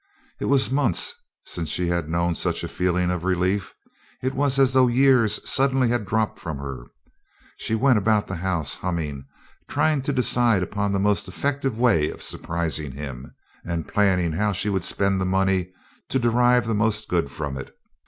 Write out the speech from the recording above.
It was months since she had known such a feeling of relief; it was as though years suddenly had dropped from her. She went about the house humming, trying to decide upon the most effective way of surprising him, and planning how she would spend the money to derive the most good from it.